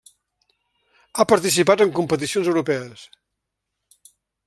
Ha participat en competicions europees.